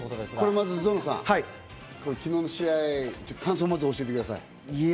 まず、ゾノさん、昨日の試合、感想を教えてください。